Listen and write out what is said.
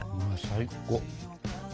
最高！